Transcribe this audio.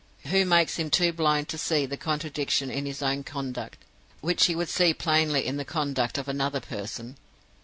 Who makes him too blind to see the contradiction in his own conduct, which he would see plainly in the conduct of another person?